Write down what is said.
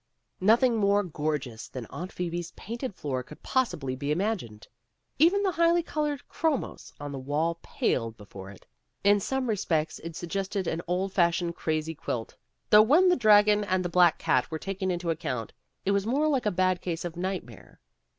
Nothing more gorgeous than Aunt Phoebe's painted floor could possibly be imagined. Even the highly colored chrcunos on the wall paled before it. In some re spects it suggested an old fashioned crazy quilt, though when the dragon and the black cat were taken into account, it was more like a bad case of nightmare.